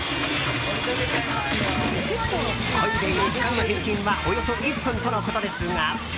こいでいる時間の平均はおよそ１分とのことですが。